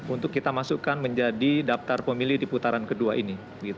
untuk kita masukkan menjadi daftar pemilih di putaran kedua ini